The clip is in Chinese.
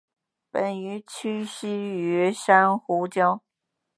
本鱼栖息于珊瑚礁。